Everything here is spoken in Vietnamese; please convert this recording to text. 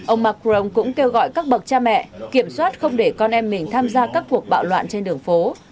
ông macron cũng kêu gọi các bậc cha mẹ kiểm soát không để con em mình tham gia các cuộc bạo loạn trên đường phố